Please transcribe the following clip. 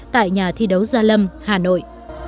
tại nhà thi đấu gia lâm hà nội